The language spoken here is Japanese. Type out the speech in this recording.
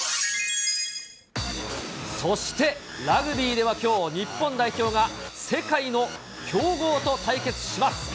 そして、ラグビーではきょう、日本代表が世界の強豪と対決します。